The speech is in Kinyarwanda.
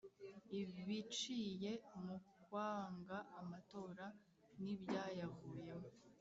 i biciye mu kwanga amatora n’ibyayavuyemo.